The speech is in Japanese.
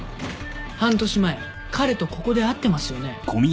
半年前彼とここで会ってますよね？